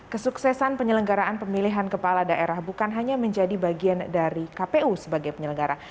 kesuksesan penyelenggaraan pemilihan kepala daerah bukan hanya menjadi bagian dari kpu sebagai penyelenggara